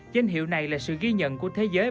danh hiệu này là sự ghi nhận của thế giới